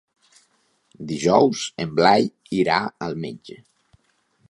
Dijous en Blai irà al metge.